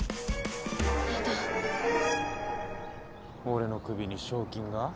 俺の首に賞金が？